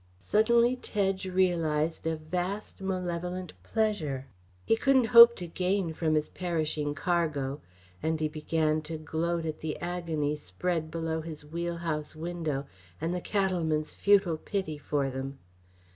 Suddenly Tedge realized a vast malevolent pleasure he couldn't hope to gain from his perishing cargo; and he began to gloat at the agony spread below his wheelhouse window, and the cattleman's futile pity for them.